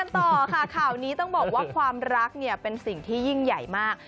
ต่อค่ะข่าวนี้ต้องบอกว่าความรักเนี่ยเป็นสิ่งที่ยิ่งใหญ่มาก